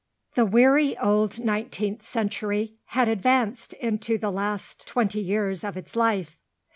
The weary old nineteenth century had advanced into the last twenty years of its life.